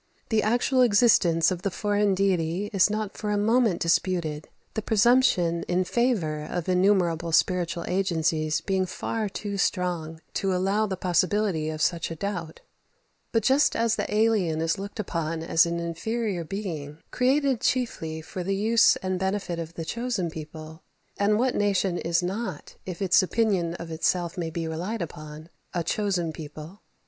The actual existence of the foreign deity is not for a moment disputed, the presumption in favour of innumerable spiritual agencies being far too strong to allow the possibility of such a doubt; but just as the alien is looked upon as an inferior being, created chiefly for the use and benefit of the chosen people and what nation is not, if its opinion of itself may be relied upon, a chosen people?